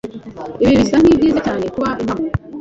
Ibi bisa nkibyiza cyane kuba impamo.